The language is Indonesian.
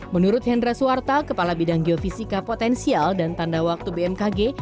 menurut hendra suwarta kepala bidang geofisika potensial dan tanda waktu bmkg